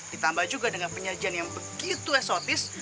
ditambah juga dengan penyajian yang begitu esotis